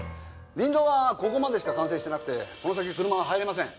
林道はここまでしか完成してなくてこの先車は入れません。